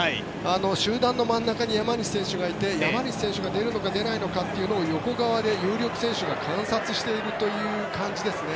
集団の真ん中に山西選手がいて山西選手が出るのか出ないのかを横で有力選手が観察している感じですね。